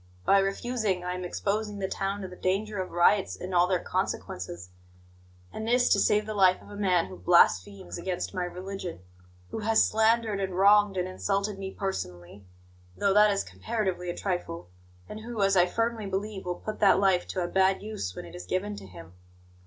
By refusing, I am exposing the town to the danger of riots and all their consequences; and this to save the life of a man who blasphemes against my religion, who has slandered and wronged and insulted me personally (though that is comparatively a trifle), and who, as I firmly believe, will put that life to a bad use when it is given to him.